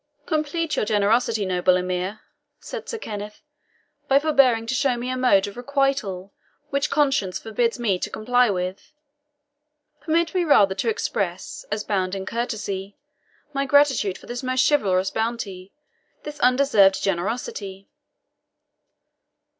"Complete your generosity, noble Emir," said Sir Kenneth, "by forbearing to show me a mode of requital which conscience forbids me to comply with. Permit me rather to express, as bound in courtesy, my gratitude for this most chivalrous bounty, this undeserved generosity."